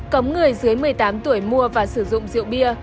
cấm người dưới một mươi tám tuổi mua và sử dụng rượu bia